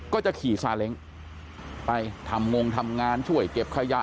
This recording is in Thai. ก็จะขี่ซาเล้งไปทำงงทำงานช่วยเก็บขยะ